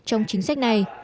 trong chính sách này